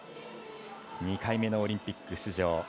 ２回目のオリンピック出場。